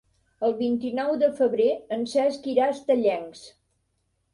El vint-i-nou de febrer en Cesc irà a Estellencs.